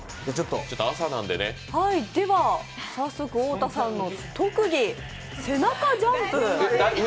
では早速、太田さんの特技背中ジャンプ。